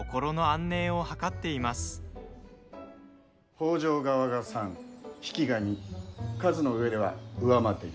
北条側が３、比企が２数の上では上回っています。